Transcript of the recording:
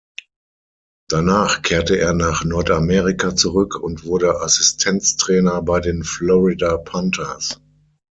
Danach kehrte er nach Nordamerika zurück und wurde Assistenztrainer bei den Florida Panthers.